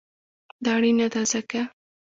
دا اړینه ده ځکه: